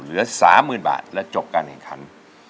เหลือ๓๐๐๐๐บาทและจบการเองครั้ง